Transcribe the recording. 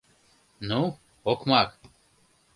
— Ну, окмак!